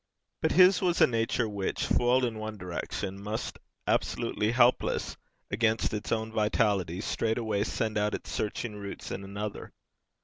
But his was a nature which, foiled in one direction, must, absolutely helpless against its own vitality, straightway send out its searching roots in another.